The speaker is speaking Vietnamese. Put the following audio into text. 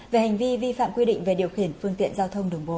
về hành vi vi phạm quy định về điều khiển phương tiện giao thông đường bộ